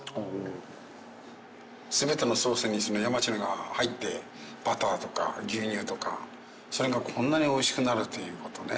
全てのソースに山地のが入ってバターとか牛乳とかそれがこんなにおいしくなるという事ね。